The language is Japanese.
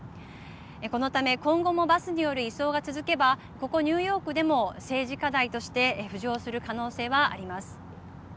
このため今後もバスによる移送が続けばここ、ニューヨークでも政治課題として浮上する可能性はあります。